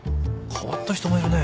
変わった人もいるね。